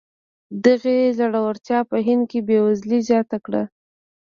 دغې ځوړتیا په هند کې بېوزلي زیاته کړه.